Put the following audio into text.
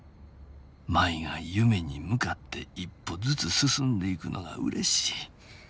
舞が夢に向かって一歩ずつ進んでいくのが嬉しい」。